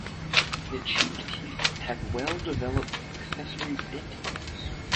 The cheek teeth have well-developed accessory denticles.